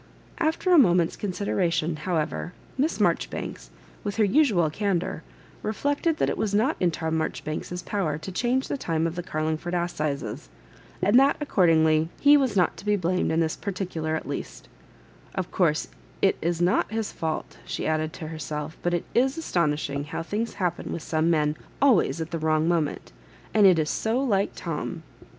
After a moment's considera tion, however, Miss Maijoribanks, with her usual candour, reflected that it was not in Tom Marjo ribanks's power to change the time of the Car lingford assizes, and that, accordingly, he was not to be blamed in this psoticukr at least " Of course it is not his &ult," she added, to herself "but it is astonishing how things happen with some men always at the wrong moment ; and it is so like Tom."